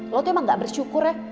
lo tuh emang gak bersyukur ya